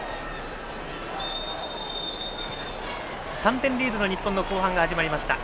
３点リードの日本の後半が始まりました。